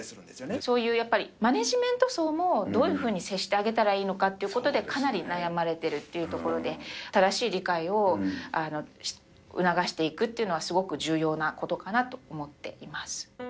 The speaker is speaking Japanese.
そういうやっぱりマネジメント層もどういうふうに接してあげたらいいのかということで、かなり悩まれているというところで、正しい理解を促していくというのは、すごく重要なことかなと思っています。